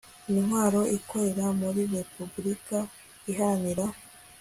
intwaro ikorera muri repubulika iharanira